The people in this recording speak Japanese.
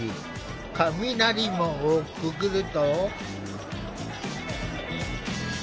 雷門をくぐると。